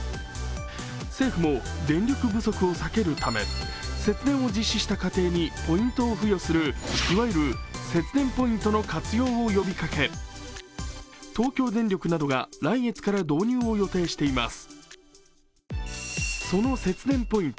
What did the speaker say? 政府も電力不足を避けるため節電を実施した家庭にポイントを付与する、いわゆる節電ポイントの活用を呼びかけ、東京電力などが来月から導入を予定しています。